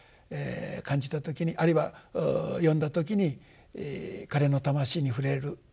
感じた時にあるいは読んだ時に彼の魂に触れることができる。